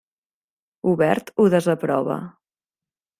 Hubert ho desaprova.